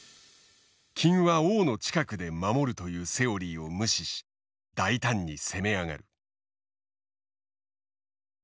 金は王の近くで守るというセオリーを無視し大胆に攻め上がる。